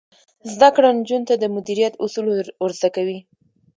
زده کړه نجونو ته د مدیریت اصول ور زده کوي.